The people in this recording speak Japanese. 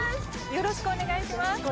よろしくお願いします。